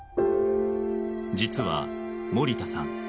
実は盛田さん